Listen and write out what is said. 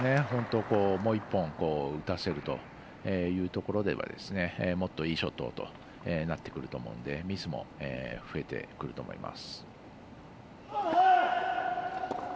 もう１本打たせるというところではもっといいショットをとなってくると思うのでミスも増えてくると思います。